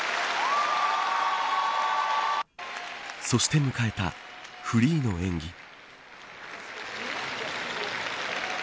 そして迎えたフリーの演技。